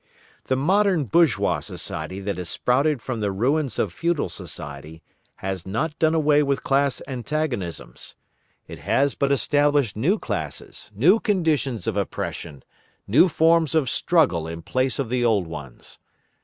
The modern bourgeois society that has sprouted from the ruins of feudal society has not done away with class antagonisms. It has but established new classes, new conditions of oppression, new forms of struggle in place of the old ones.